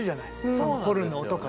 そのホルンの音から。